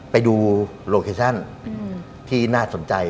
ไปดูโลเคชั่นที่น่าสนใจ